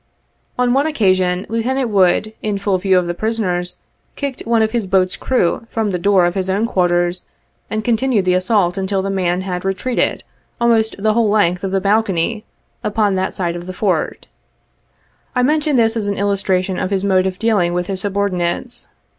On one occasion, Lieutenant Wood, in full view of the prisoners, kicked one of his boat's crew from the door of his own quarters, and continued the assault until the man had re treated almost the whole length of the balcony upon that side of the Fort. I mention this as an illustration of his mode of dealing with his subordinates.